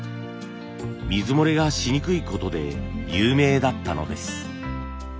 水漏れがしにくいことで有名だったのです。